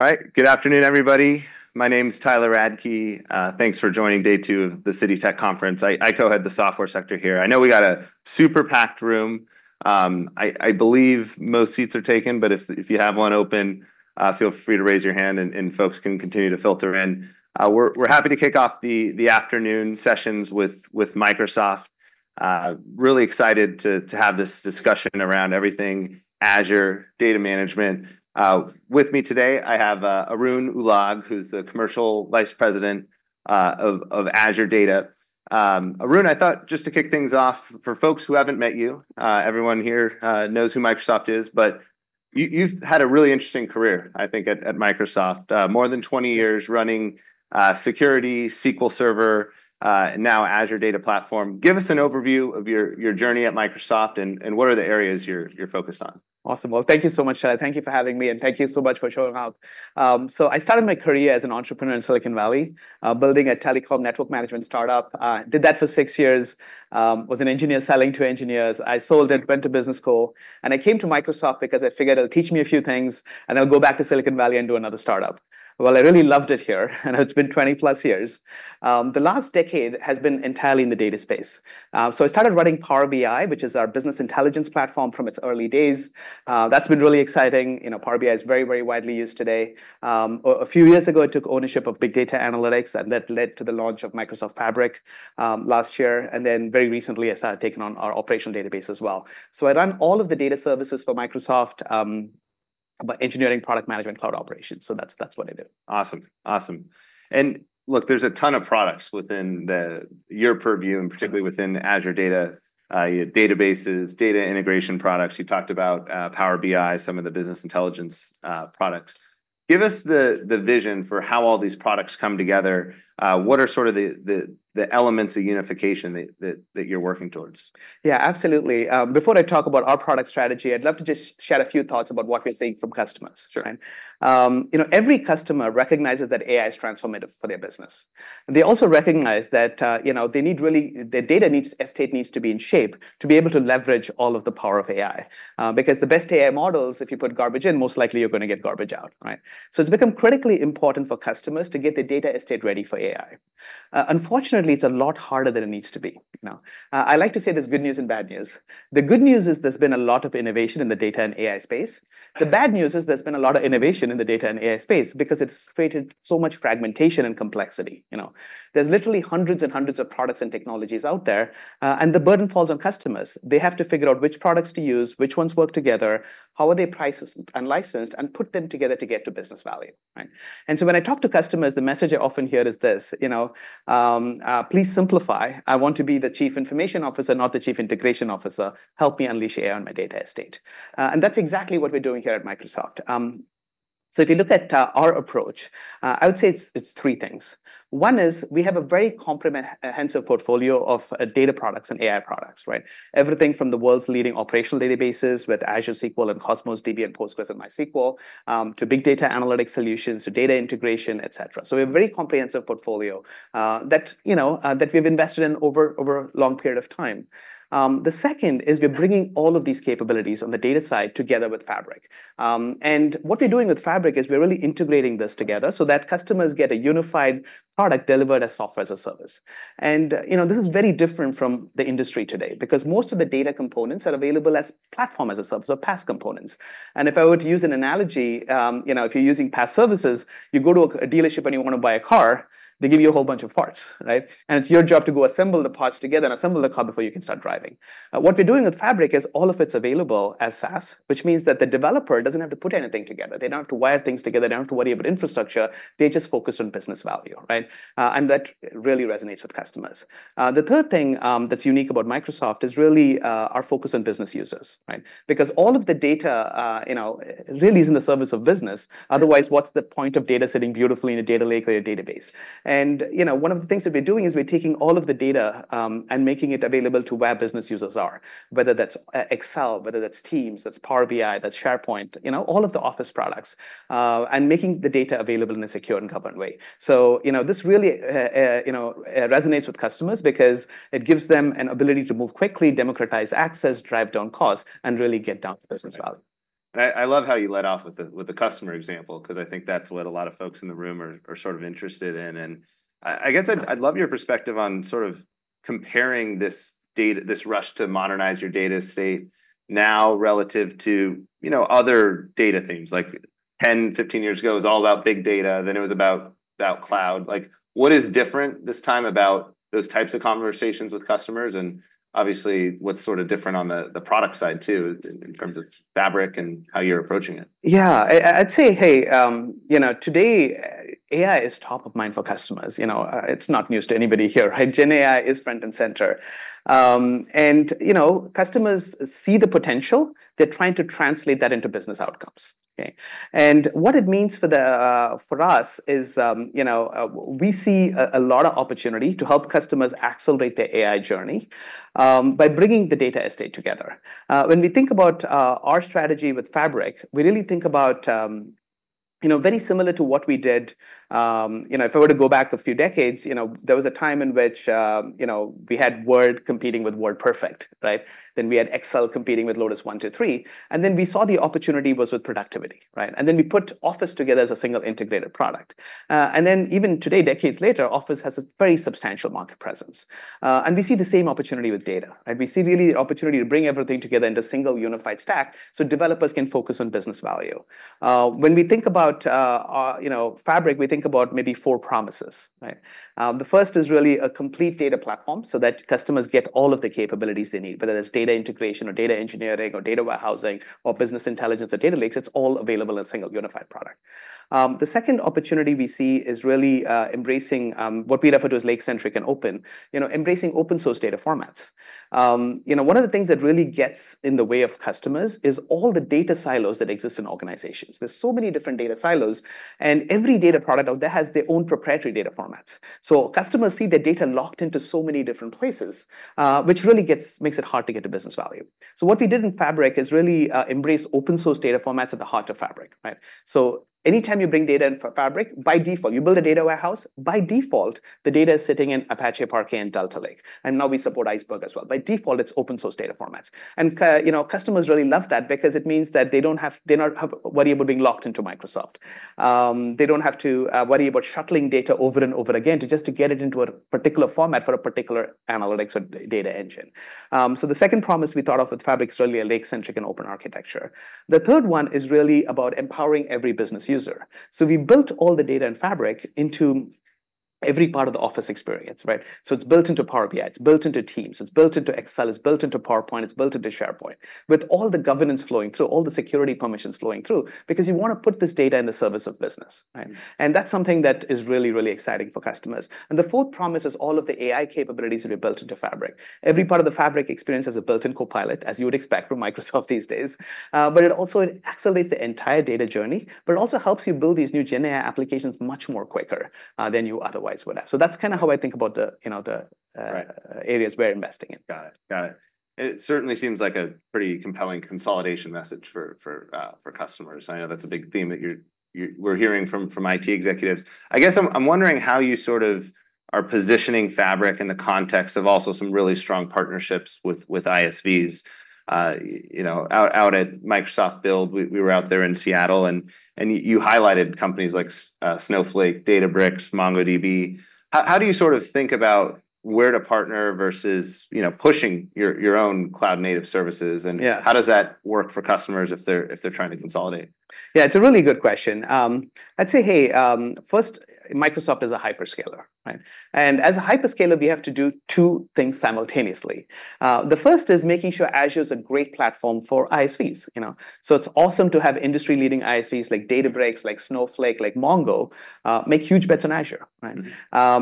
All right. Good afternoon, everybody. My name is Tyler Radke. Thanks for joining day two of the Citi Tech Conference. I co-head the software sector here. I know we got a super packed room. I believe most seats are taken, but if you have one open, feel free to raise your hand and folks can continue to filter in. We're happy to kick off the afternoon sessions with Microsoft. Really excited to have this discussion around everything Azure data management. With me today, I have Arun Ulag, who's the Corporate Vice President of Azure Data. Arun, I thought just to kick things off, for folks who haven't met you, everyone here knows who Microsoft is, but you've had a really interesting career, I think at Microsoft. More than 20 years running, security, SQL Server, now Azure Data Platform. Give us an overview of your journey at Microsoft, and what are the areas you're focused on? Awesome. Thank you so much, Tyler. Thank you for having me, and thank you so much for showing up. So I started my career as an entrepreneur in Silicon Valley, building a telecom network management start-up. Did that for six years, was an engineer selling to engineers. I sold it, went to business school, and I came to Microsoft because I figured it'll teach me a few things, and I'll go back to Silicon Valley and do another start-up. I really loved it here, and it's been 20-plus years. The last decade has been entirely in the data space. So I started running Power BI, which is our business intelligence platform from its early days. That's been really exciting. You know, Power BI is very, very widely used today. A few years ago, I took ownership of big data analytics, and that led to the launch of Microsoft Fabric last year, and then very recently, I started taking on our operational database as well. So I run all of the data services for Microsoft, but engineering, product management, cloud operations. So that's what I do. Awesome, awesome. And look, there's a ton of products within your purview, and particularly within Azure data, databases, data integration products. You talked about Power BI, some of the business intelligence products. Give us the vision for how all these products come together. What are sort of the elements of unification that you're working towards? Yeah, absolutely. Before I talk about our product strategy, I'd love to just share a few thoughts about what we're seeing from customers. Sure. You know, every customer recognizes that AI is transformative for their business. They also recognize that, you know, they need their data estate needs to be in shape to be able to leverage all of the power of AI. Because the best AI models, if you put garbage in, most likely you're gonna get garbage out, right? So it's become critically important for customers to get their data estate ready for AI. Unfortunately, it's a lot harder than it needs to be, you know. I like to say there's good news and bad news. The good news is there's been a lot of innovation in the data and AI space. The bad news is there's been a lot of innovation in the data and AI space because it's created so much fragmentation and complexity, you know. There's literally hundreds and hundreds of products and technologies out there, and the burden falls on customers. They have to figure out which products to use, which ones work together, how are they priced and licensed, and put them together to get to business value, right? And so when I talk to customers, the message I often hear is this, you know: "Please simplify. I want to be the chief information officer, not the chief integration officer. Help me unleash AI on my data estate," and that's exactly what we're doing here at Microsoft, so if you look at our approach, I would say it's three things. One is we have a very comprehensive portfolio of data products and AI products, right? Everything from the world's leading operational databases with Azure SQL and Cosmos DB and PostgreSQL and MySQL, to big data analytic solutions, to data integration, et cetera. So we have a very comprehensive portfolio, that, you know, that we've invested in over a long period of time. The second is we're bringing all of these capabilities on the data side together with Fabric. And what we're doing with Fabric is we're really integrating this together so that customers get a unified product delivered as software as a service. You know, this is very different from the industry today, because most of the data components are available as platform as a service or PaaS components. And if I were to use an analogy, you know, if you're using PaaS services, you go to a dealership and you want to buy a car, they give you a whole bunch of parts, right? And it's your job to go assemble the parts together and assemble the car before you can start driving. What we're doing with Fabric is all of it's available as SaaS, which means that the developer doesn't have to put anything together. They don't have to wire things together. They don't have to worry about infrastructure. They just focus on business value, right? And that really resonates with customers. The third thing that's unique about Microsoft is really our focus on business users, right? Because all of the data, you know, really is in the service of business. Otherwise, what's the point of data sitting beautifully in a data lake or a database? And, you know, one of the things that we're doing is we're taking all of the data, and making it available to where business users are, whether that's Excel, whether that's Teams, that's Power BI, that's SharePoint, you know, all of the Office products, and making the data available in a secure and governed way. So, you know, this really resonates with customers because it gives them an ability to move quickly, democratize access, drive down costs, and really get down to business value. I love how you led off with the customer example, because I think that's what a lot of folks in the room are sort of interested in. And I guess I'd love your perspective on sort of comparing this rush to modernize your data estate now relative to, you know, other data themes. Like ten, 15 years ago, it was all about big data, then it was about cloud. Like, what is different this time about those types of conversations with customers? And obviously, what's sort of different on the product side, too, in terms of Fabric and how you're approaching it? Yeah. I, I, I'd say, hey, you know, today, AI is top of mind for customers. You know, it's not news to anybody here, right? Gen AI is front and center. And, you know, customers see the potential. They're trying to translate that into business outcomes, okay? And what it means for the, for us is, you know, we see a lot of opportunity to help customers accelerate their AI journey, by bringing the data estate together. When we think about, our strategy with Fabric, we really think about, you know, very similar to what we did, you know, if I were to go back a few decades, you know, there was a time in which, you know, we had Word competing with WordPerfect, right? Then we had Excel competing with Lotus 1-2-3, and then we saw the opportunity was with productivity, right? And then we put Office together as a single integrated product. And then even today, decades later, Office has a very substantial market presence. And we see the same opportunity with data, right? We see really the opportunity to bring everything together into a single unified stack so developers can focus on business value. When we think about, you know, Fabric, we think about maybe four promises, right? The first is really a complete data platform so that customers get all of the capabilities they need, whether it's data integration or data engineering or data warehousing or business intelligence or data lakes, it's all available in a single unified product. The second opportunity we see is really embracing what we refer to as lake centric and open. You know, embracing open source data formats. You know, one of the things that really gets in the way of customers is all the data silos that exist in organizations. There's so many different data silos, and every data product out there has their own proprietary data formats. So customers see their data locked into so many different places, which really makes it hard to get the business value. So what we did in Fabric is really embrace open source data formats at the heart of Fabric, right? So anytime you bring data into Fabric, by default, you build a data warehouse. By default, the data is sitting in Apache Parquet, and Delta Lake, and now we support Iceberg as well. By default, it's open source data formats, and you know, customers really love that because it means that they don't have, they're not worried about being locked into Microsoft. They don't have to worry about shuttling data over and over again to just get it into a particular format for a particular analytics or data engine, so the second promise we thought of with Fabric is really a lake centric and open architecture. The third one is really about empowering every business user, so we built all the data and Fabric into every part of the Office experience, right? So it's built into Power BI, it's built into Teams, it's built into Excel, it's built into PowerPoint, it's built into SharePoint, with all the governance flowing through, all the security permissions flowing through, because you want to put this data in the service of business, right? And that's something that is really, really exciting for customers. And the fourth promise is all of the AI capabilities that we built into Fabric. Every part of the Fabric experience has a built-in Copilot, as you would expect from Microsoft these days. But it also accelerates the entire data journey, but it also helps you build these new GenAI applications much more quicker than you otherwise would have. So that's kinda how I think about the, you know, the Right - areas we're investing in. Got it. Got it. It certainly seems like a pretty compelling consolidation message for customers. I know that's a big theme that you're... we're hearing from IT executives. I guess I'm wondering how you sort of are positioning Fabric in the context of also some really strong partnerships with ISVs. You know, out at Microsoft Build, we were out there in Seattle and you highlighted companies like Snowflake, Databricks, MongoDB. How do you sort of think about where to partner versus, you know, pushing your own cloud-native services? Yeah. How does that work for customers if they're trying to consolidate? Yeah, it's a really good question. I'd say, first, Microsoft is a hyperscaler, right? And as a hyperscaler, we have to do two things simultaneously. The first is making sure Azure is a great platform for ISVs, you know? So it's awesome to have industry-leading ISVs, like Databricks, like Snowflake, like Mongo, make huge bets on Azure, right?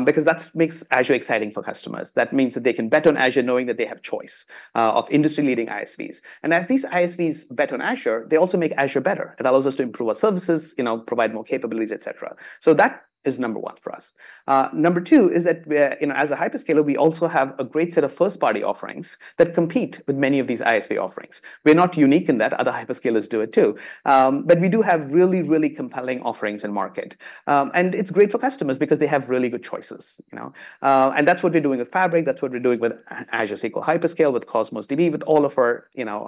Because that makes Azure exciting for customers. That means that they can bet on Azure, knowing that they have choice of industry-leading ISVs. And as these ISVs bet on Azure, they also make Azure better. It allows us to improve our services, you know, provide more capabilities, et cetera. So that is number one for us. Number two is that, you know, as a hyperscaler, we also have a great set of first-party offerings that compete with many of these ISV offerings. We're not unique in that. Other hyperscalers do it, too. But we do have really, really compelling offerings in market. And it's great for customers because they have really good choices, you know? And that's what we're doing with Fabric, that's what we're doing with Azure SQL Hyperscale, with Cosmos DB, with all of our, you know,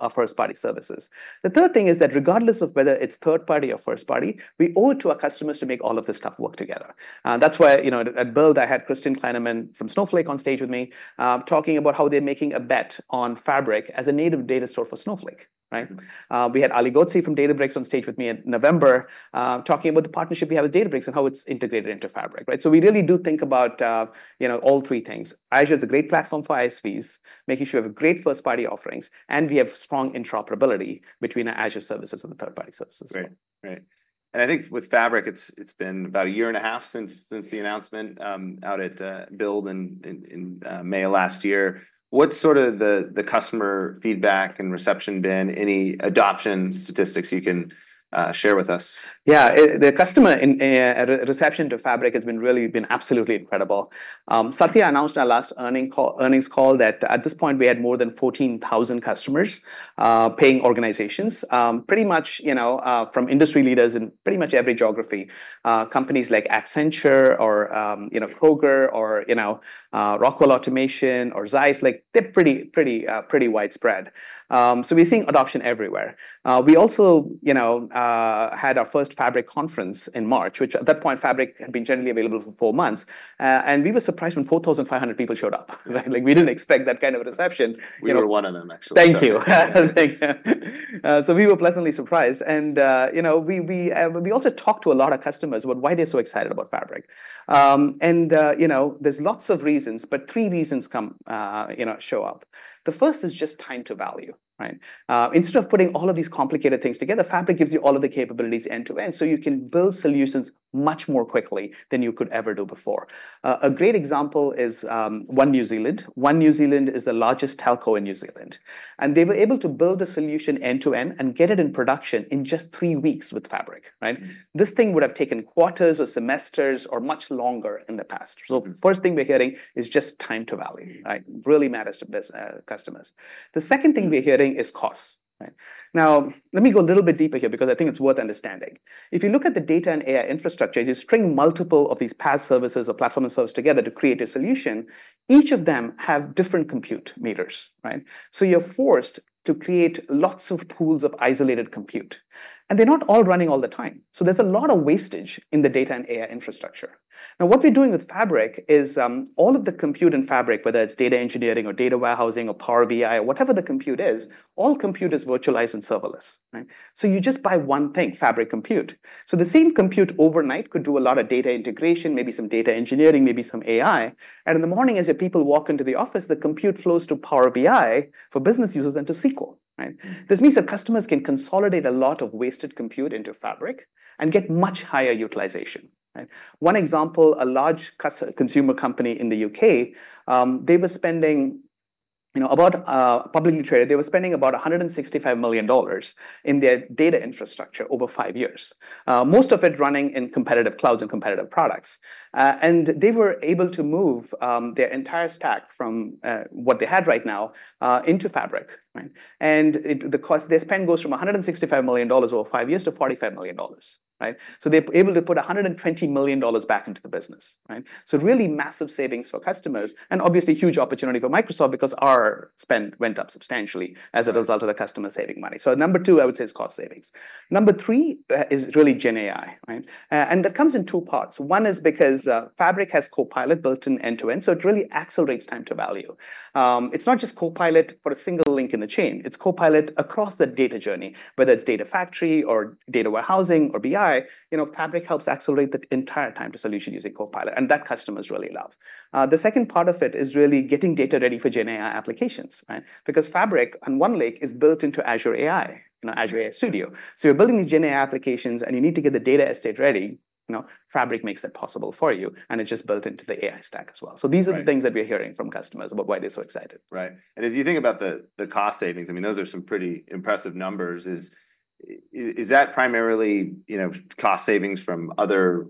our first-party services. The third thing is that regardless of whether it's third party or first party, we owe it to our customers to make all of this stuff work together. That's why, you know, at Build, I had Christian Kleinerman from Snowflake on stage with me, talking about how they're making a bet on Fabric as a native data store for Snowflake, right? Mm-hmm. We had Ali Ghodsi from Databricks on stage with me in November, talking about the partnership we have with Databricks and how it's integrated into Fabric, right, so we really do think about, you know, all three things. Azure is a great platform for ISVs, making sure we have great first-party offerings, and we have strong interoperability between our Azure services and the third-party services. Right. Right. And I think with Fabric, it's been about a year and a half since the announcement out at Build in May of last year. What's sort of the customer feedback and reception been? Any adoption statistics you can share with us? Yeah. The customer reception to Fabric has been really been absolutely incredible. Satya announced our last earnings call that at this point, we had more than 14,000 customers, paying organizations, pretty much, you know, from industry leaders in pretty much every geography. Companies like Accenture or, you know, Kroger, or, you know, Rockwell Automation or ZEISS, like, they're pretty widespread. So we're seeing adoption everywhere. We also, you know, had our first Fabric conference in March, which at that point, Fabric had been generally available for four months. We were surprised when 4,500 people showed up, right? Like, we didn't expect that kind of a reception. We were one of them, actually. Thank you. So we were pleasantly surprised, and you know, we also talked to a lot of customers about why they're so excited about Fabric, and you know, there's lots of reasons, but three reasons come, you know, show up. The first is just time to value. Right? Instead of putting all of these complicated things together, Fabric gives you all of the capabilities end-to-end, so you can build solutions much more quickly than you could ever do before. A great example is One New Zealand. One New Zealand is the largest telco in New Zealand, and they were able to build a solution end-to-end and get it in production in just three weeks with Fabric, right? This thing would have taken quarters or semesters or much longer in the past. So the first thing we're hearing is just time to value, right? Really matters to business customers. The second thing we're hearing is costs, right? Now, let me go a little bit deeper here because I think it's worth understanding. If you look at the data and AI infrastructure, as you string multiple of these PaaS services or platform-as-a-service together to create a solution, each of them have different compute meters, right? So you're forced to create lots of pools of isolated compute, and they're not all running all the time. So there's a lot of wastage in the data and AI infrastructure. Now, what we're doing with Fabric is, all of the compute in Fabric, whether it's data engineering or data warehousing or Power BI or whatever the compute is, all compute is virtualized and serverless, right? So you just buy one thing, Fabric Compute. So the same compute overnight could do a lot of data integration, maybe some data engineering, maybe some AI. And in the morning, as your people walk into the office, the compute flows to Power BI for business users and to SQL, right? This means that customers can consolidate a lot of wasted compute into Fabric and get much higher utilization, right? One example, a large consumer company in the U.K., they were spending, you know, about, publicly traded. They were spending about $165 million in their data infrastructure over five years. Most of it running in competitive clouds and competitive products. And they were able to move their entire stack from what they had right now into Fabric, right? The cost, their spend goes from $165 million over five years to $45 million, right? They're able to put $120 million back into the business, right? Really massive savings for customers and obviously huge opportunity for Microsoft because our spend went up substantially as a result of the customer saving money. Number two, I would say is cost savings. Number three is really GenAI, right? That comes in two parts. One is because Fabric has Copilot built in end-to-end, so it really accelerates time to value. It's not just Copilot for a single link in the chain, it's Copilot across the data journey. Whether it's Data Factory or data warehousing or BI, you know, Fabric helps accelerate the entire time to solution using Copilot, and that customers really love. The second part of it is really getting data ready for GenAI applications, right? Because Fabric on OneLake is built into Azure AI, you know, Azure AI Studio. So you're building these GenAI applications, and you need to get the data estate ready, you know, Fabric makes it possible for you, and it's just built into the AI stack as well. Right. So these are the things that we're hearing from customers about why they're so excited. Right. And as you think about the cost savings, I mean, those are some pretty impressive numbers. Is that primarily, you know, cost savings from other,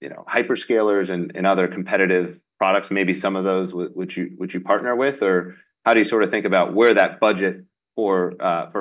you know, hyperscalers and other competitive products, maybe some of those which you partner with? Or how do you sort of think about where that budget for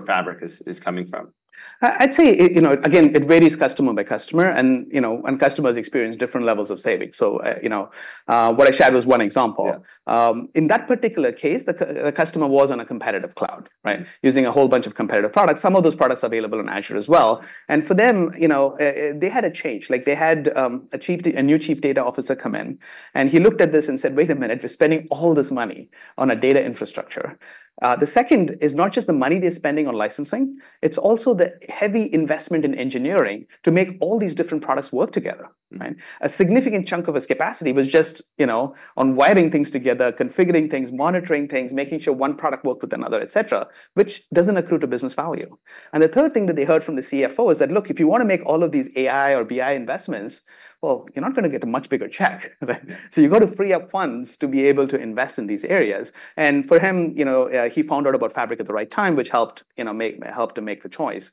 Fabric is coming from? I'd say, you know, again, it varies customer by customer, and, you know, and customers experience different levels of savings. So, you know, what I shared was one example. Yeah. In that particular case, the customer was on a competitive cloud, right? Mm. Using a whole bunch of competitive products, some of those products available on Azure as well. And for them, you know, they had a change. Like they had a new Chief Data Officer come in, and he looked at this and said: "Wait a minute, we're spending all this money on a data infrastructure." The second is not just the money they're spending on licensing, it's also the heavy investment in engineering to make all these different products work together, right? Mm. A significant chunk of his capacity was just, you know, on wiring things together, configuring things, monitoring things, making sure one product worked with another, et cetera, which doesn't accrue to business value. And the third thing that they heard from the CFO is that, look, if you want to make all of these AI or BI investments, well, you're not going to get a much bigger check. So you got to free up funds to be able to invest in these areas. And for him, you know, he found out about Fabric at the right time, which helped, you know, helped to make the choice.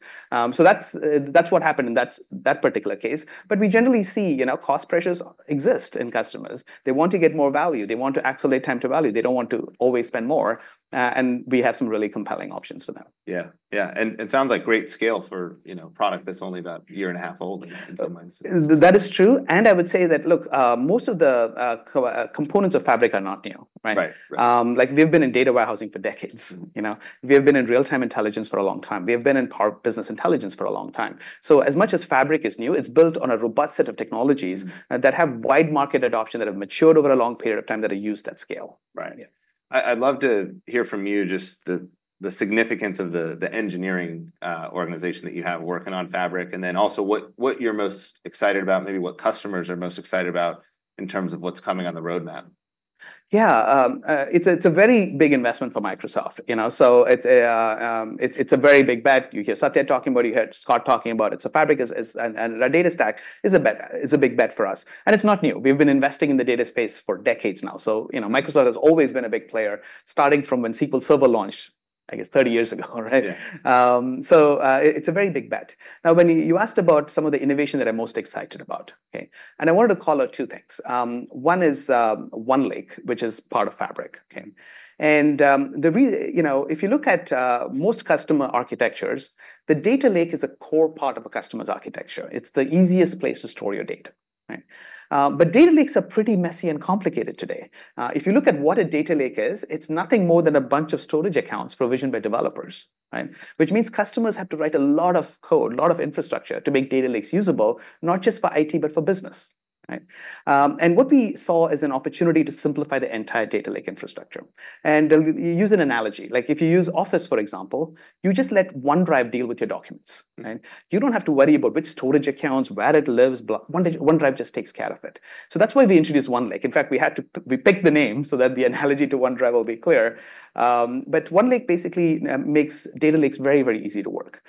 So that's, that's what happened in that, that particular case. But we generally see, you know, cost pressures exist in customers. They want to get more value. They want to accelerate time to value. They don't want to always spend more, and we have some really compelling options for them. Yeah, yeah. And it sounds like great scale for, you know, a product that's only about a year and a half old and some months. That is true, and I would say that, look, most of the components of Fabric are not new, right? Right. Right. Like, we've been in data warehousing for decades. You know, we have been in real-time intelligence for a long time. We have been in Power BI for a long time. So as much as Fabric is new, it's built on a robust set of technologies. Mm... that have wide market adoption, that have matured over a long period of time, that are used at scale. Right. Yeah. I'd love to hear from you just the significance of the engineering organization that you have working on Fabric, and then also what you're most excited about, maybe what customers are most excited about in terms of what's coming on the roadmap. Yeah, it's a very big investment for Microsoft, you know, so it's a very big bet. You hear Satya talking about it, you heard Scott talking about it. So Fabric and our data stack is a big bet for us, and it's not new. We've been investing in the data space for decades now. So, you know, Microsoft has always been a big player, starting from when SQL Server launched, I guess, 30 years ago, right? Yeah. So, it's a very big bet. Now, when you asked about some of the innovation that I'm most excited about, okay? And I wanted to call out two things. One is OneLake, which is part of Fabric, okay? And, you know, if you look at most customer architectures, the data lake is a core part of a customer's architecture. It's the easiest place to store your data, right? But data lakes are pretty messy and complicated today. If you look at what a data lake is, it's nothing more than a bunch of storage accounts provisioned by developers, right? Which means customers have to write a lot of code, a lot of infrastructure, to make data lakes usable, not just for IT, but for business, right? What we saw is an opportunity to simplify the entire data lake infrastructure. Use an analogy, like if you use Office, for example, you just let OneDrive deal with your documents, right? Mm. You don't have to worry about which storage accounts, where it lives, OneDrive, OneDrive just takes care of it. So that's why we introduced OneLake. In fact, we had to. We picked the name so that the analogy to OneDrive will be clear. But OneLake basically makes data lakes very, very easy to work.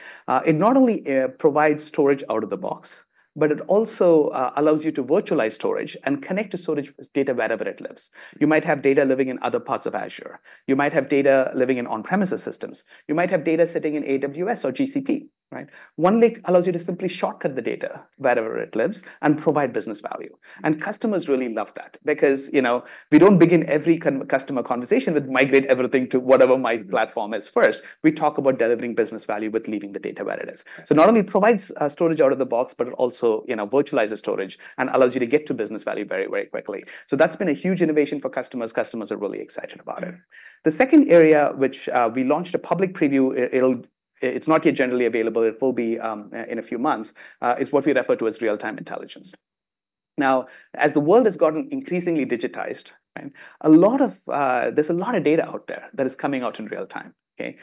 It not only provides storage out of the box, but it also allows you to virtualize storage and connect to storage data wherever it lives. You might have data living in other parts of Azure. You might have data living in on-premises systems. You might have data sitting in AWS or GCP, right? OneLake allows you to simply shortcut the data wherever it lives and provide business value. Customers really love that because, you know, we don't begin every customer conversation with migrate everything to whatever my platform is first. We talk about delivering business value, but leaving the data where it is. So not only provides storage out of the box, but it also, you know, virtualizes storage and allows you to get to business value very, very quickly. So that's been a huge innovation for customers. Customers are really excited about it. The second area which we launched a public preview, it's not yet generally available. It will be in a few months, is what we refer to as Real-Time Intelligence. Now, as the world has gotten increasingly digitized, and there's a lot of data out there that is coming out in real time, okay?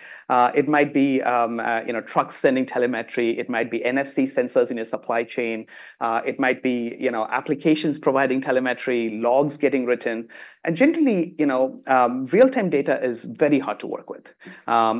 It might be, you know, trucks sending telemetry, it might be NFC sensors in your supply chain, it might be, you know, applications providing telemetry, logs getting written. And generally, you know, real-time data is very hard to work with.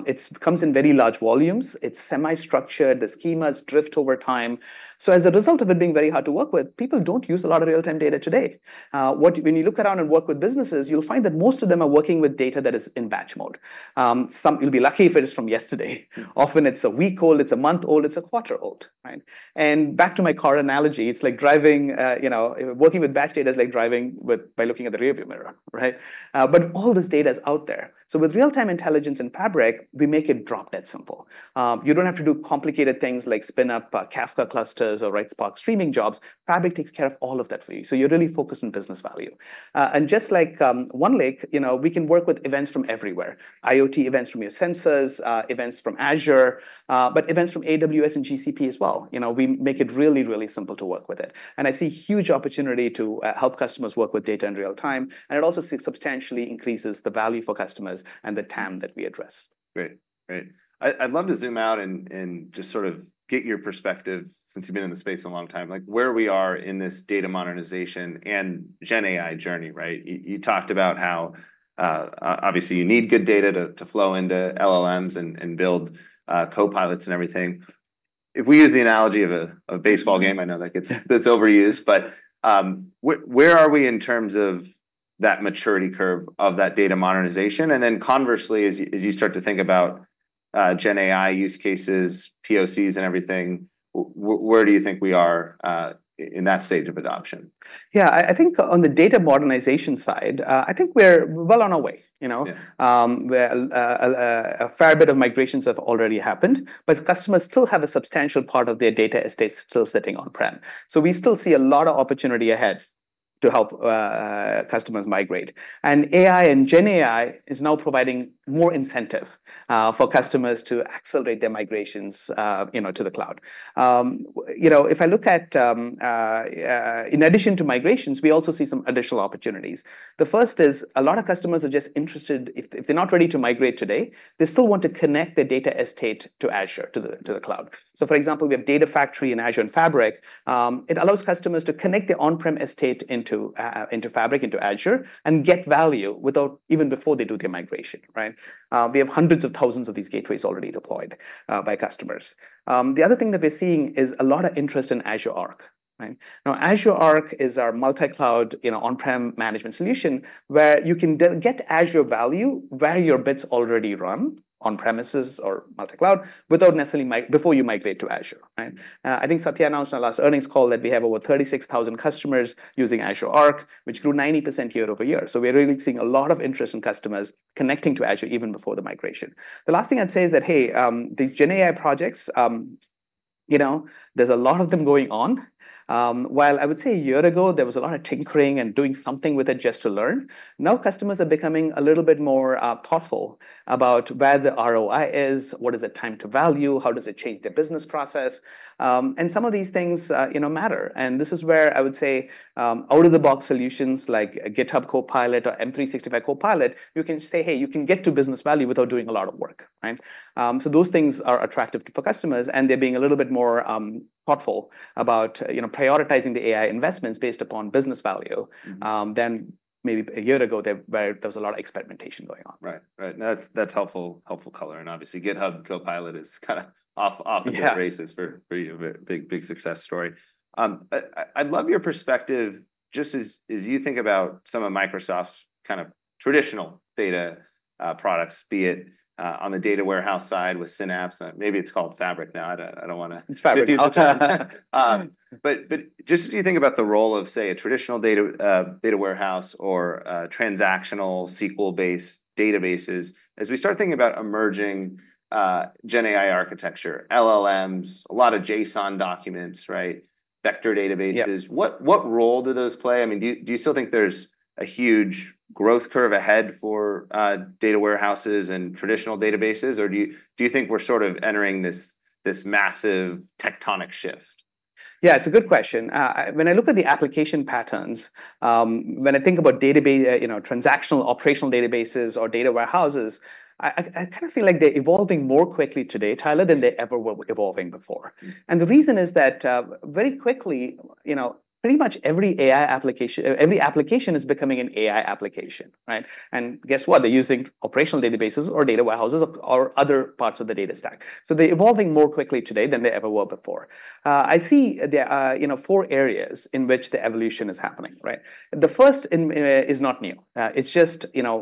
It comes in very large volumes, it's semi-structured, the schemas drift over time. So as a result of it being very hard to work with, people don't use a lot of real-time data today. When you look around and work with businesses, you'll find that most of them are working with data that is in batch mode. You'll be lucky if it is from yesterday. Often it's a week old, it's a month old, it's a quarter old, right? And back to my car analogy, it's like driving, you know, working with batch data is like driving by looking at the rearview mirror, right? But all this data is out there. So with Real-Time Intelligence and Fabric, we make it drop-dead simple. You don't have to do complicated things like spin up Kafka clusters or write Spark Streaming jobs. Fabric takes care of all of that for you, so you're really focused on business value. And just like OneLake, you know, we can work with events from everywhere, IoT events from your sensors, events from Azure, but events from AWS and GCP as well. You know, we make it really, really simple to work with it. And I see huge opportunity to help customers work with data in real time, and it also substantially increases the value for customers and the TAM that we address. Great. Great. I'd love to zoom out and just sort of get your perspective, since you've been in the space a long time, like, where we are in this data modernization and gen AI journey, right? You talked about how obviously you need good data to flow into LLMs and build copilots and everything. If we use the analogy of a baseball game, I know that gets, that's overused, but where are we in terms of that maturity curve of that data modernization? And then conversely, as you start to think about gen AI use cases, POCs, and everything, where do you think we are in that stage of adoption? Yeah, I think on the data modernization side, I think we're well on our way, you know? Yeah. A fair bit of migrations have already happened, but customers still have a substantial part of their data estate still sitting on-prem. So we still see a lot of opportunity ahead to help customers migrate. And AI and gen AI is now providing more incentive for customers to accelerate their migrations, you know, to the cloud. You know, in addition to migrations, we also see some additional opportunities. The first is a lot of customers are just interested if they're not ready to migrate today, they still want to connect their data estate to Azure, to the cloud. So for example, we have Data Factory and Azure and Fabric. It allows customers to connect their on-prem estate into Fabric, into Azure, and get value without even before they do their migration, right? We have hundreds of thousands of these gateways already deployed by customers. The other thing that we're seeing is a lot of interest in Azure Arc, right? Now, Azure Arc is our multi-cloud, you know, on-prem management solution, where you can get Azure value, where your bits already run on premises or multi-cloud, without necessarily before you migrate to Azure, right? I think Satya announced in our last earnings call that we have over 36,000 customers using Azure Arc, which grew 90% year over year. So we're really seeing a lot of interest in customers connecting to Azure even before the migration. The last thing I'd say is that, hey, these Gen AI projects, you know, there's a lot of them going on. While I would say a year ago, there was a lot of tinkering and doing something with it just to learn, now customers are becoming a little bit more thoughtful about where the ROI is, what is the time to value, how does it change their business process? And some of these things, you know, matter. And this is where I would say, out-of-the-box solutions like GitHub Copilot or M365 Copilot, you can say, hey, you can get to business value without doing a lot of work, right? So those things are attractive to customers, and they're being a little bit more thoughtful about, you know, prioritizing the AI investments based upon business value- Mm-hmm.... than maybe a year ago, there, where there was a lot of experimentation going on. Right. That's helpful color, and obviously GitHub and Copilot is kinda off. Yeah -and this is for you a big, big success story. I'd love your perspective, just as you think about some of Microsoft's kind of traditional data products, be it on the data warehouse side with Synapse, maybe it's called Fabric now, I don't wanna- It's Fabric. But just as you think about the role of, say, a traditional data warehouse or a transactional SQL-based databases, as we start thinking about emerging gen AI architecture, LLMs, a lot of JSON documents, right? Vector databases. Yeah. What role do those play? I mean, do you still think there's a huge growth curve ahead for data warehouses and traditional databases, or do you think we're sort of entering this massive tectonic shift?... Yeah, it's a good question. When I look at the application patterns, when I think about database, you know, transactional operational databases or data warehouses, I kind of feel like they're evolving more quickly today, Tyler, than they ever were evolving before. And the reason is that, very quickly, you know, pretty much every AI application- every application is becoming an AI application, right? And guess what? They're using operational databases or data warehouses or other parts of the data stack. So they're evolving more quickly today than they ever were evolving before. I see there are, you know, four areas in which the evolution is happening, right? The first one is not new. It's just, you know,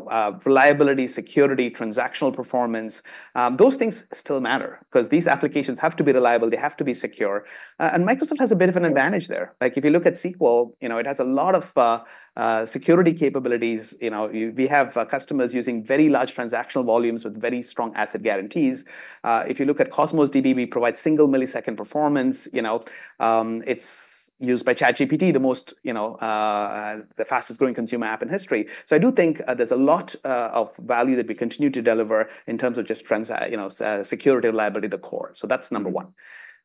reliability, security, transactional performance. Those things still matter because these applications have to be reliable, they have to be secure, and Microsoft has a bit of an advantage there. Like, if you look at SQL, you know, it has a lot of security capabilities. You know, we have customers using very large transactional volumes with very strong ACID guarantees. If you look at Cosmos DB, we provide single millisecond performance. You know, it's used by ChatGPT, the most, you know, the fastest growing consumer app in history. So I do think there's a lot of value that we continue to deliver in terms of just you know, security, reliability, the core. So that's number one.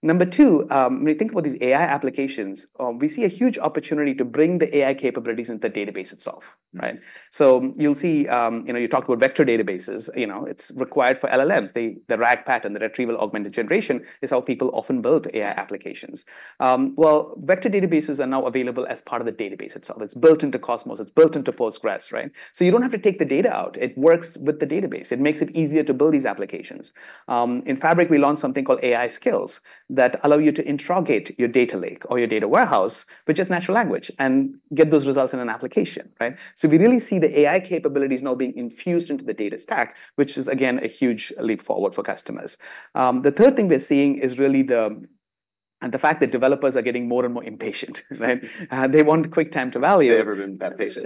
Number two, when you think about these AI applications, we see a huge opportunity to bring the AI capabilities into the database itself, right? So you'll see, you know, you talked about vector databases. You know, it's required for LLMs. The RAG pattern, the retrieval augmented generation, is how people often build AI applications. Well, vector databases are now available as part of the database itself. It's built into Cosmos, it's built into Postgres, right? So you don't have to take the data out. It works with the database. It makes it easier to build these applications. In Fabric, we launched something called AI Skills that allow you to interrogate your data lake or your data warehouse with just natural language and get those results in an application, right? So we really see the AI capabilities now being infused into the data stack, which is, again, a huge leap forward for customers. The third thing we're seeing is really the fact that developers are getting more and more impatient, right? They want quick time to value. They've never been that patient.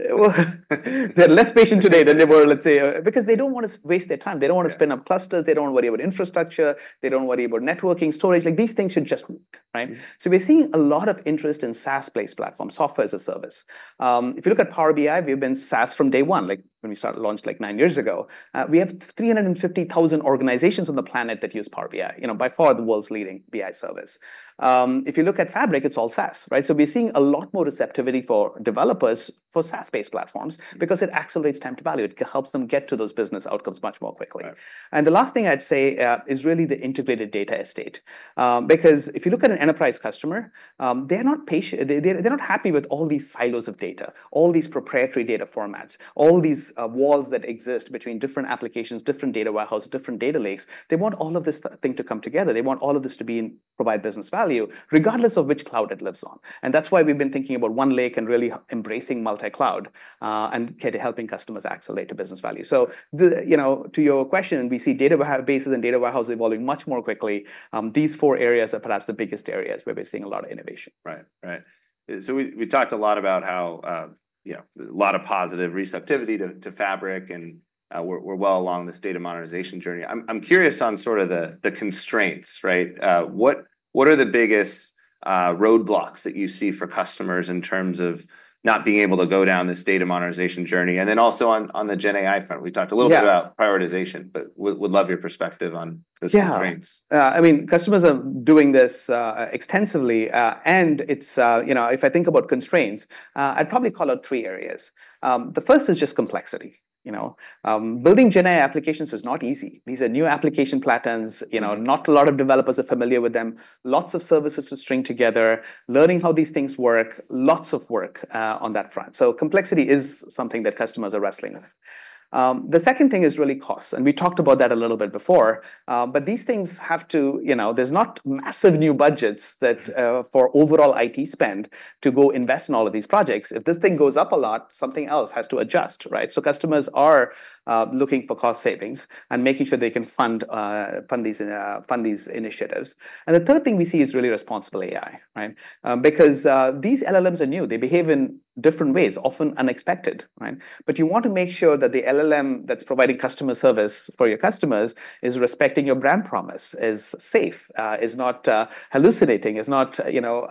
They're less patient today than they were, let's say, because they don't want to waste their time. They don't want to spin up clusters, they don't worry about infrastructure, they don't worry about networking, storage. Like, these things should just work, right? So we're seeing a lot of interest in SaaS-based platform, software as a service. If you look at Power BI, we've been SaaS from day one, like, when we started launch like nine years ago. We have 350,000 organizations on the planet that use Power BI, you know, by far the world's leading BI service. If you look at Fabric, it's all SaaS, right? So we're seeing a lot more receptivity for developers for SaaS-based platforms because it accelerates time to value. It helps them get to those business outcomes much more quickly. Right. The last thing I'd say is really the integrated data estate. Because if you look at an enterprise customer, they're not happy with all these silos of data, all these proprietary data formats, all these walls that exist between different applications, different data warehouse, different data lakes. They want all of this thing to come together. They want all of this to provide business value, regardless of which cloud it lives on. And that's why we've been thinking about OneLake and really embracing multi-cloud, and helping customers accelerate to business value. So, you know, to your question, we see databases and data warehouses evolving much more quickly. These four areas are perhaps the biggest areas where we're seeing a lot of innovation. Right. Right. So we talked a lot about how, you know, a lot of positive receptivity to Fabric, and we're well along this data modernization journey. I'm curious on sort of the constraints, right? What are the biggest roadblocks that you see for customers in terms of not being able to go down this data modernization journey? And then also on the GenAI front, we talked a little bit- Yeah... about prioritization, but would love your perspective on those constraints. Yeah. I mean, customers are doing this extensively, and it's, you know, if I think about constraints, I'd probably call out three areas. The first is just complexity. You know, building GenAI applications is not easy. These are new application platforms. You know, not a lot of developers are familiar with them. Lots of services to string together, learning how these things work, lots of work on that front. So complexity is something that customers are wrestling with. The second thing is really cost, and we talked about that a little bit before, but these things have to... You know, there's not massive new budgets that for overall IT spend, to go invest in all of these projects. If this thing goes up a lot, something else has to adjust, right? So customers are looking for cost savings and making sure they can fund these initiatives, and the third thing we see is really responsible AI, right? Because these LLMs are new, they behave in different ways, often unexpected, right, but you want to make sure that the LLM that's providing customer service for your customers is respecting your brand promise, is safe, is not hallucinating, is not, you know,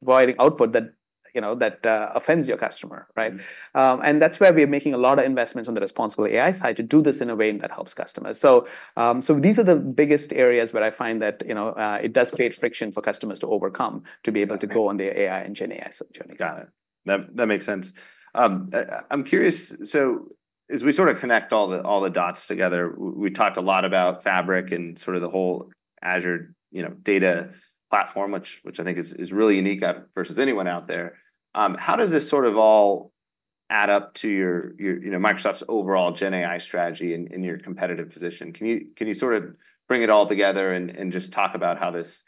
providing output that, you know, that offends your customer, right? Mm. And that's where we're making a lot of investments on the responsible AI side, to do this in a way that helps customers. So, these are the biggest areas where I find that, you know, it does create friction for customers to overcome, to be able to go on their AI and GenAI journey. Got it. That makes sense. I'm curious, so as we sort of connect all the dots together, we talked a lot about Fabric and sort of the whole Azure, you know, data platform, which I think is really unique versus anyone out there. How does this sort of all add up to your, you know, Microsoft's overall GenAI strategy in your competitive position? Can you sort of bring it all together and just talk about how this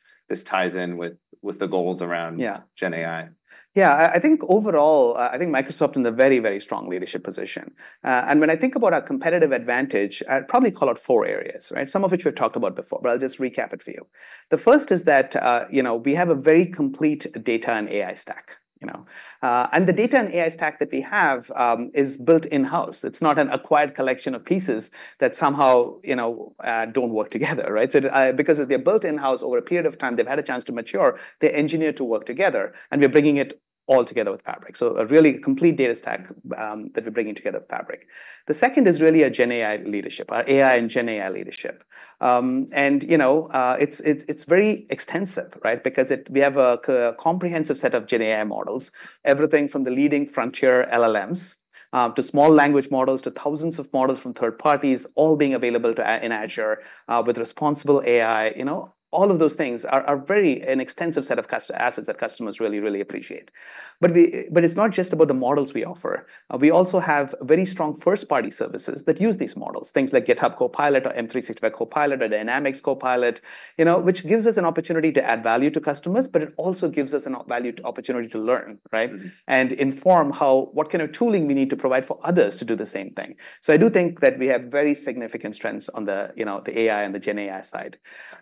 ties in with the goals around- Yeah... GenAI? Yeah, I think overall, I think Microsoft is in a very, very strong leadership position. And when I think about our competitive advantage, I'd probably call out four areas, right? Some of which we've talked about before, but I'll just recap it for you. The first is that, you know, we have a very complete data and AI stack, you know. And the data and AI stack that we have is built in-house. It's not an acquired collection of pieces that somehow, you know, don't work together, right? So, because they're built in-house over a period of time, they've had a chance to mature, they're engineered to work together, and we're bringing it all together with Fabric. So a really complete data stack that we're bringing together with Fabric. The second is really a GenAI leadership, our AI and GenAI leadership. And, you know, it's very extensive, right? Because we have a comprehensive set of GenAI models, everything from the leading frontier LLMs to small language models, to thousands of models from third parties, all being available in Azure with responsible AI. You know, all of those things are a very extensive set of customer assets that customers really, really appreciate. But it's not just about the models we offer. We also have very strong first-party services that use these models, things like GitHub Copilot or M365 Copilot or Dynamics Copilot, you know, which gives us an opportunity to add value to customers, but it also gives us an opportunity to learn, right? Mm-hmm. And inform what kind of tooling we need to provide for others to do the same thing. So I do think that we have very significant strengths on the, you know, the AI and the GenAI side.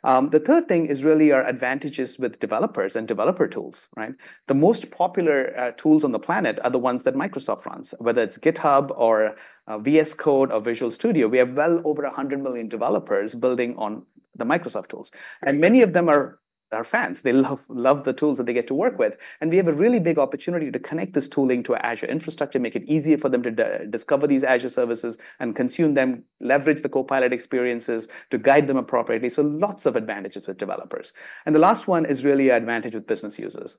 The third thing is really our advantages with developers and developer tools, right? The most popular tools on the planet are the ones that Microsoft runs, whether it's GitHub or, VS Code or Visual Studio. We have well over a hundred million developers building on the Microsoft tools. Right. Many of them are fans. They love the tools that they get to work with, and we have a really big opportunity to connect this tooling to our Azure infrastructure, make it easier for them to discover these Azure services and consume them, leverage the copilot experiences to guide them appropriately, so lots of advantages with developers. The last one is really an advantage with business users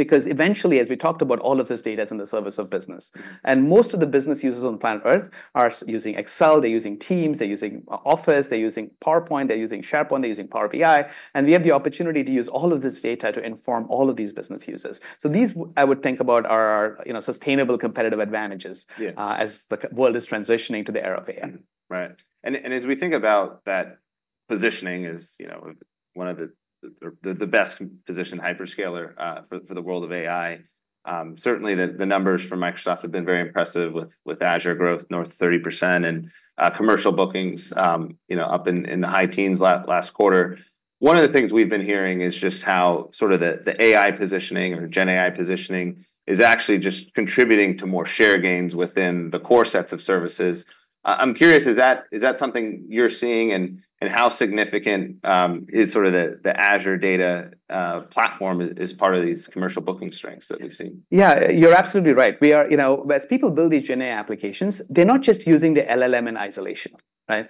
because eventually, as we talked about, all of this data is in the service of business. Mm-hmm. And most of the business users on planet Earth are using Excel, they're using Teams, they're using Office, they're using PowerPoint, they're using SharePoint, they're using Power BI, and we have the opportunity to use all of this data to inform all of these business users. Yeah. So these, I would think about, are, you know, sustainable competitive advantages- Yeah... as the world is transitioning to the era of AI. Mm-hmm. Right. And as we think about that positioning as, you know, one of the best-positioned hyperscaler for the world of AI, certainly the numbers from Microsoft have been very impressive, with Azure growth north of 30% and commercial bookings, you know, up in the high teens last quarter. One of the things we've been hearing is just how sort of the AI positioning or GenAI positioning is actually just contributing to more share gains within the core sets of services. I'm curious, is that something you're seeing, and how significant is sort of the Azure data platform as part of these commercial booking strengths that we've seen? Yeah, you're absolutely right. We are. You know, as people build these GenAI applications, they're not just using the LLM in isolation, right?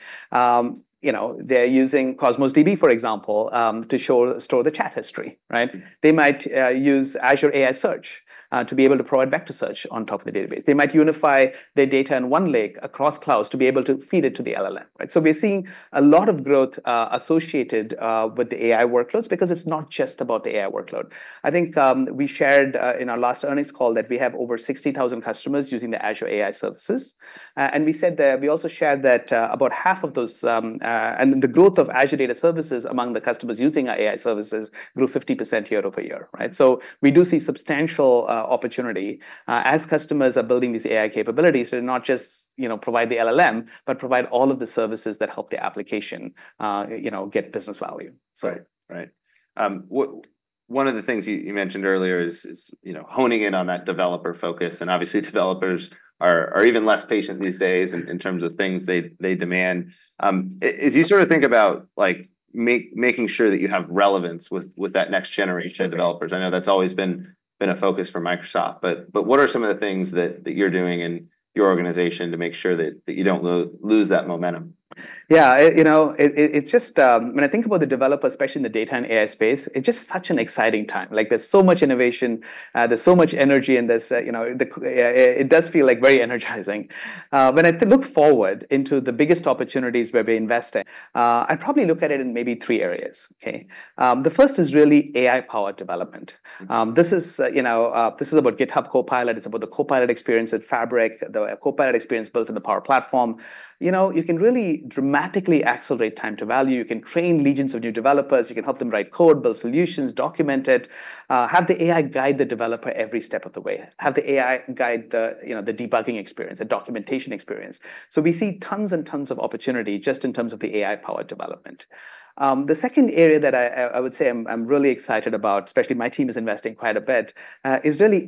You know, they're using Cosmos DB, for example, to store the chat history, right? Mm-hmm. They might use Azure AI Search to be able to provide back to search on top of the database. They might unify the data in OneLake across clouds to be able to feed it to the LLM, right? We're seeing a lot of growth associated with the AI workloads because it's not just about the AI workload. I think we shared in our last earnings call that we have over 60,000 customers using the Azure AI services. We also shared that about half of those. The growth of Azure data services among the customers using our AI services grew 50% year over year, right? So we do see substantial opportunity as customers are building these AI capabilities to not just, you know, provide the LLM, but provide all of the services that help the application, you know, get business value. So- Right. Right. One of the things you, you mentioned earlier is, is, you know, honing in on that developer focus, and obviously, developers are, are even less patient these days- Mm-hmm... in terms of things they demand. As you sort of think about, like, making sure that you have relevance with that next generation of- Mm-hmm... developers, I know that's always been a focus for Microsoft, but what are some of the things that you're doing in your organization to make sure that you don't lose that momentum? Yeah, you know, it's just... When I think about the developer, especially in the data and AI space, it's just such an exciting time. Like, there's so much innovation, there's so much energy, and it does feel, like, very energizing. When I look forward into the biggest opportunities where we're investing, I'd probably look at it in maybe three areas, okay? The first is really AI-powered development. Mm-hmm. This is, you know, this is about GitHub Copilot, it's about the Copilot experience at Fabric, the Copilot experience built in the Power Platform. You know, you can really dramatically accelerate time to value. You can train legions of new developers, you can help them write code, build solutions, document it, have the AI guide the developer every step of the way, have the AI guide the, you know, the debugging experience, the documentation experience. So we see tons and tons of opportunity just in terms of the AI-powered development. The second area that I would say I'm really excited about, especially my team is investing quite a bit, is really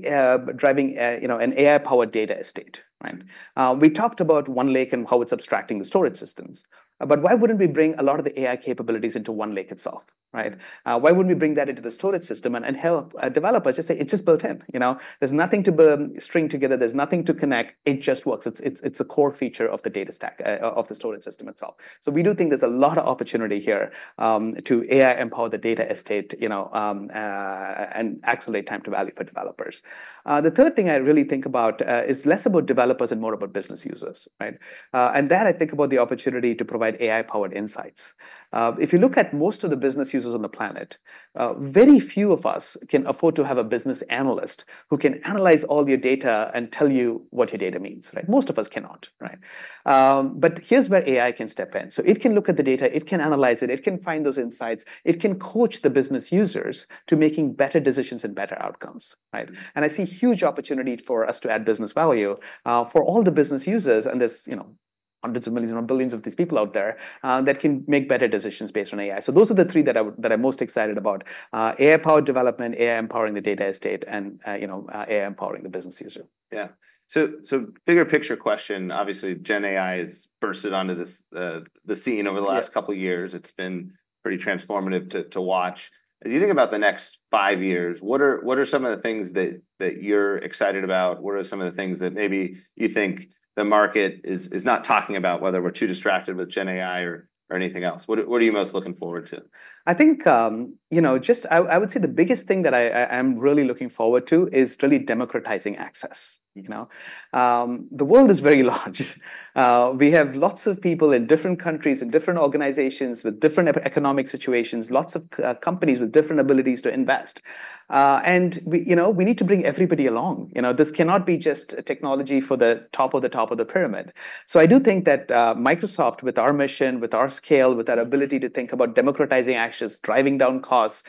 driving, you know, an AI-powered data estate, right? Mm-hmm. We talked about OneLake and how it's abstracting the storage systems, but why wouldn't we bring a lot of the AI capabilities into OneLake itself, right? Why wouldn't we bring that into the storage system and help developers? Just say, it's just built in, you know, there's nothing to string together, there's nothing to connect, it just works. It's a core feature of the data stack of the storage system itself. So we do think there's a lot of opportunity here to AI-empower the data estate, you know, and accelerate time to value for developers. The third thing I really think about is less about developers and more about business users, right? And there, I think about the opportunity to provide AI-powered insights. If you look at most of the business users on the planet, very few of us can afford to have a business analyst who can analyze all your data and tell you what your data means, right? Most of us cannot, right? But here's where AI can step in: so it can look at the data, it can analyze it, it can find those insights, it can coach the business users to making better decisions and better outcomes, right? Mm-hmm. And I see huge opportunity for us to add business value, for all the business users, and there's, you know, hundreds of millions, if not billions, of these people out there, that can make better decisions based on AI. So those are the three that that I'm most excited about: AI-powered development, AI empowering the data estate, and, you know, AI empowering the business user. Yeah. So, bigger picture question, obviously, GenAI has bursted onto the scene- Yeah... over the last couple of years. It's been pretty transformative to watch. As you think about the next five years, what are some of the things that you're excited about? What are some of the things that maybe you think the market is not talking about, whether we're too distracted with GenAI or anything else? What are you most looking forward to? I think, you know, just I would say the biggest thing that I'm really looking forward to is really democratizing access, you know? The world is very large. We have lots of people in different countries and different organizations with different economic situations, lots of companies with different abilities to invest, and we, you know, we need to bring everybody along. You know, this cannot be just a technology for the top of the top of the pyramid. So I do think that Microsoft, with our mission, with our scale, with our ability to think about democratizing access, driving down costs,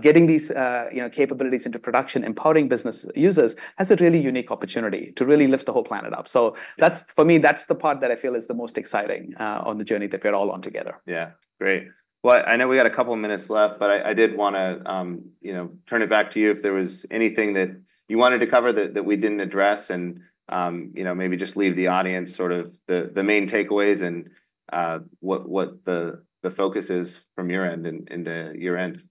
getting these, you know, capabilities into production, empowering business users, has a really unique opportunity to really lift the whole planet up. So that's- Mm-hmm... for me, that's the part that I feel is the most exciting, on the journey that we're all on together. Yeah, great. Well, I know we got a couple of minutes left, but I did wanna, you know, turn it back to you if there was anything that you wanted to cover that we didn't address, and, you know, maybe just leave the audience sort of the main takeaways and what the focus is from your end and your end.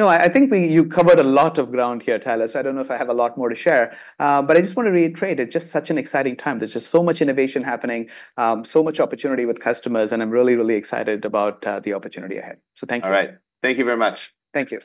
No, I think you covered a lot of ground here, Tyler, so I don't know if I have a lot more to share, but I just want to reiterate, it's just such an exciting time. There's just so much innovation happening, so much opportunity with customers, and I'm really, really excited about the opportunity ahead, so thank you. All right. Thank you very much. Thank you.